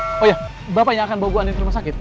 oh iya bapak yang akan bawa bu anin ke rumah sakit